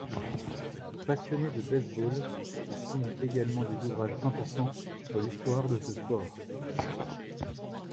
Passionné de baseball, il signe également des ouvrages importants sur l'histoire de ce sport.